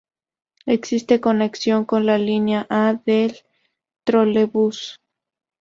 Existe conexión con la línea A del Trolebús.